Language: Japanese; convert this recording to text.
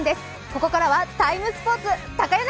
ここからは「ＴＩＭＥ，スポーツ」。